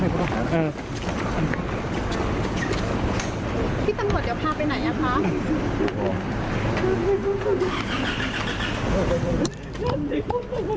พี่ตำรวจเดี๋ยวพาไปไหนอ่ะคะ